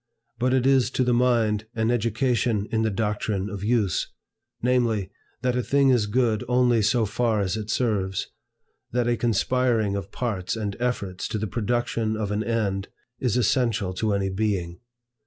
But it is to the mind an education in the doctrine of Use, namely, that a thing is good only so far as it serves; that a conspiring of parts and efforts to the production of an end, is essential to any being.